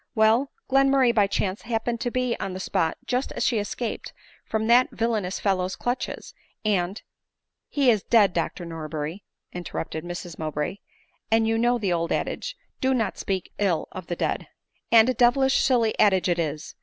Well, Glenmurray by chance happened to be on the spot just as she escaped from that villanous fellow's clutches, and "" He is dead, Dr Norberry," interrupted Mrs Mow/ bray ; and you know the old adage, Do not speak ill of the dead." " And a devilish silly adage it is.